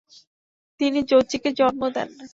তিনি জোচিকে জন্ম দেন।